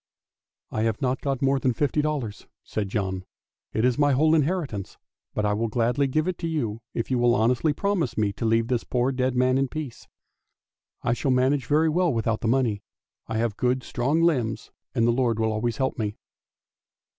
"" I have not got more than fifty dollars," said John; " it is my whole inheritance, but I will gladly give it to you if you will honestly promise me to leave the poor dead man in peace. I shall manage very well without the money, I have good strong limbs, and the Lord will always help me."